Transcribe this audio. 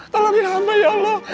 tolongin hampa ya allah